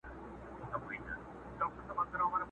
اراده یم، ما ټینګ کړي اسمان مځکه تل تر تله!